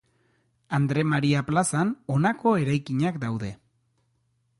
Andre Maria plazan honako eraikinak daude.